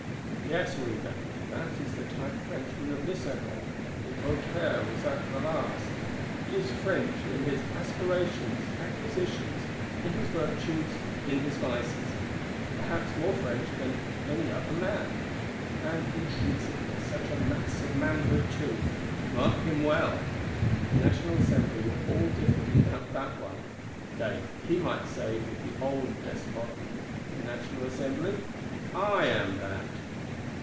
Yes, Reader, that is the Type Frenchman of this epoch; as Voltaire was of the last. He is French in his aspirations, acquisitions, in his virtues, in his vices; perhaps more French than any other man;—and intrinsically such a mass of manhood too. Mark him well. The National Assembly were all different without that one; nay, he might say with the old Despot: 'The National Assembly? I am that.